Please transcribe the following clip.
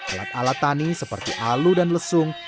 alat alat tani seperti alu dan lesung